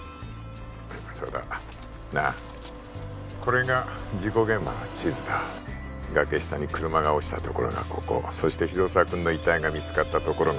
これもそうだなあこれが事故現場の地図だ崖下に車が落ちたところがここそして広沢君の遺体が見つかったところが